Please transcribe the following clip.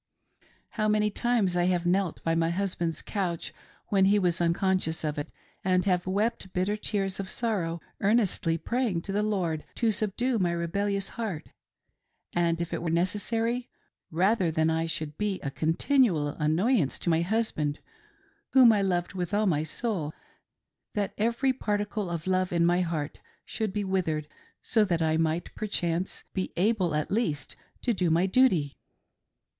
How many times have I knelt by my husband's couch when he was unconscious of it, and have wept bitter tears of sorrow, earnestly praying to the Lord to subdue my rebellious heart, and, if it were necessary, rather than I should be a continual annoyance to my husband whom I loved with all my soul, that every particle of love in my heart should be withered, so that I might perchance, if without love, be able at least to do my duty.